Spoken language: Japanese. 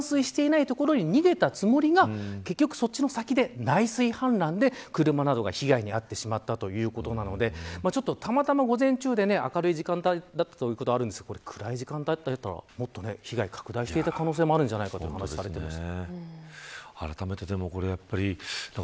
過去に冠水していない所に逃げたつもりが結局そっちの先で、内水氾濫で車などが被害に遭ってしまったということなのでたまたま午前中で明るい時間だったのですが暗い時間帯だったらもっと被害が拡大していた可能性があるんじゃないかとお話しされています。